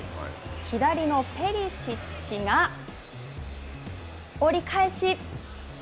左のペリシッチが折り返し。